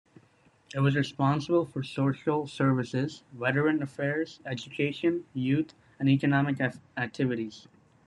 It was responsible for social services, veteran affairs, education, youth and economic activities.